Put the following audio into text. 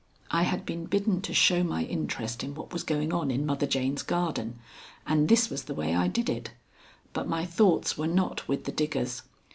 I had been bidden to show my interest in what was going on in Mother Jane's garden, and this was the way I did it. But my thoughts were not with the diggers.